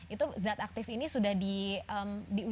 itu zat aktif ini sudah di